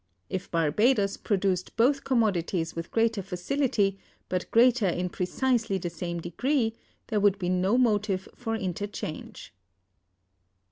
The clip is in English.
If Barbadoes produced both commodities with greater facility, but greater in precisely the same degree, there would be no motive for interchange."